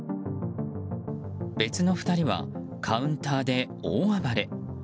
別の２人はカウンターで大暴れ。